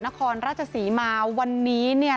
นครราชศรีมาวันนี้เนี่ย